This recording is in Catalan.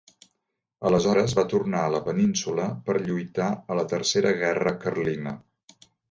Aleshores va tornar a la Península per lluitar a la tercera guerra carlina.